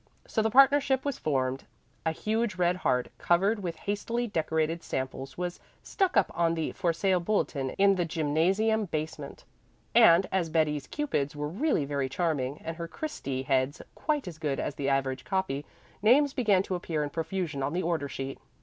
So the partnership was formed, a huge red heart covered with hastily decorated samples was stuck up on the "For Sale" bulletin in the gymnasium basement, and, as Betty's cupids were really very charming and her Christy heads quite as good as the average copy, names began to appear in profusion on the order sheet.